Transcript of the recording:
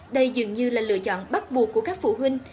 đây dường như là lựa chọn bắt buộc của các phụ huynh